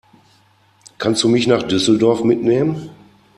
Kannst du mich nach Düsseldorf mitnehmen?